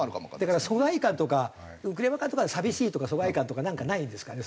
だから疎外感とか栗山監督は寂しいとか疎外感とかなんかないんですかね？